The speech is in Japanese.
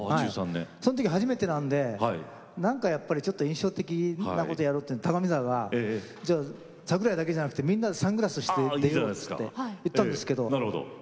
そのとき初めてなんでなんか印象的なことをやろうっていうんで高見沢が、桜井だけじゃなくてみんなでサングラスして出ようっつっていったんですけど。